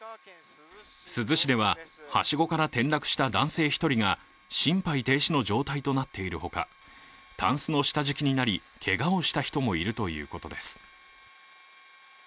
珠洲市でははしごから転落した男性１人が心肺停止の状態となっているほかたんすの下敷きになり、けがをした人もいるということです。